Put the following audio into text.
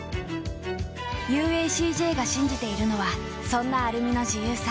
ＵＡＣＪ が信じているのはそんなアルミの自由さ。